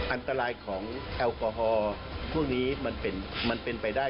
อันตรายของแอลกอฮอล์พวกนี้มันเป็นไปได้